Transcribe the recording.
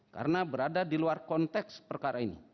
karena berada di luar konteks perkara ini